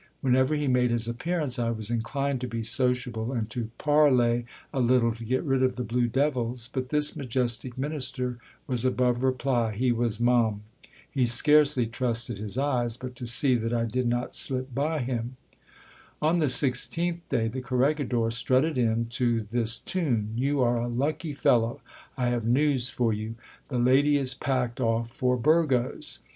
Whenever he made his appearance I was inclined to be sociable, and to parley a little to get rid of the blue devils ; but this majestic minister was above reply, he was mum ! he scarcely trusted his eyes but to see that I did not slip by him. On the sixteenth day, the corregidor strutted in to this tune — You are a lucky fellow ! I have news for you. The lady is packed off for Burgos.